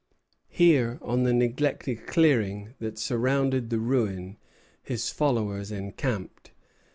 Here, on the neglected "clearing" that surrounded the ruin, his followers encamped.